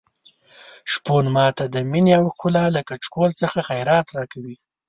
شپون ماته د مينې او ښکلا له کچکول څخه خیرات راکوي.